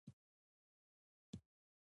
هلته پاته زما د میینې په اسمان باندې څو ستوري